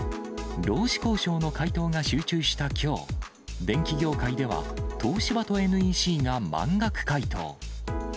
労使交渉の回答が集中したきょう、電機業界では東芝とＮＥＣが満額回答。